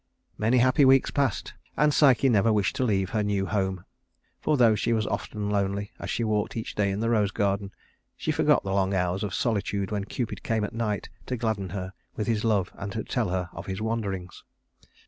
Many happy weeks passed, and Psyche never wished to leave her new home, for though she was often lonely as she walked each day in the rose garden, she forgot the long hours of solitude when Cupid came at night to gladden her with his love and to tell her of his wanderings.